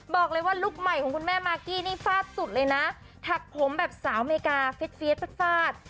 บอกเลยว่าลูกใหม่ของคุณแม่มากกี้นี่ฟาดสุดเลยนะถักผมแบบสาวอเมริกาเฟียดฟาดฟาด